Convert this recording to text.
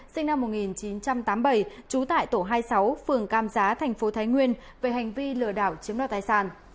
sinh năm một nghìn chín trăm tám mươi bảy trú tại tổ hai mươi sáu phường cam giá thành phố thái nguyên về hành vi lừa đảo chiếm đoạt tài sản